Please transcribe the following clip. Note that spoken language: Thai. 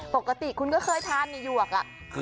ปกติคุณก็เคยทานในหยวก